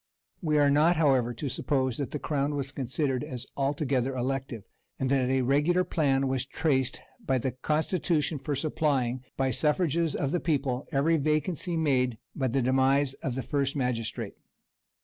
We are not, however, to suppose that the crown was considered as altogether elective; and that a regular plan was traced by the constitution for supplying, by the suffrages of the people, every vacancy made by the demise of the first magistrate.